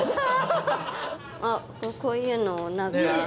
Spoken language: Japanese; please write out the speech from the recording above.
あっこういうのも何か。